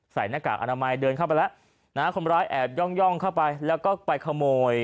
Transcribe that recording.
หน้ากากอนามัยเดินเข้าไปแล้วนะฮะคนร้ายแอบย่องเข้าไปแล้วก็ไปขโมย